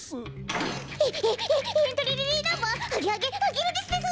エエエエントリーナンバーアゲアゲアゲルですです。